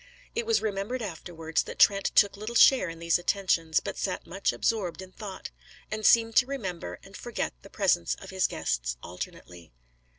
It was remembered afterwards that Trent took little share in these attentions, but sat much absorbed in thought, and seemed to remember and forget the presence of his guests alternately.